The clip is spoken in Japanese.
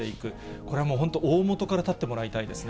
これはもう本当に大本から断ってもらいたいですね。